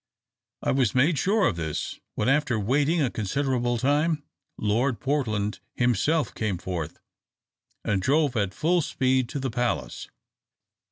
I was made sure of this, when, after waiting a considerable time, Lord Portland himself came forth, and drove at full speed to the palace.